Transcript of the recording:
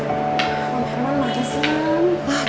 selama lama maaf ya senang